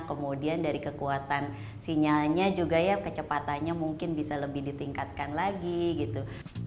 kemudian dari kekuatan sinyalnya juga ya kecepatannya mungkin bisa lebih ditingkatkan lagi gitu